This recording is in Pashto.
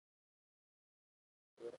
هغه باید پوه شي چې حرمت یې ساتل کیږي.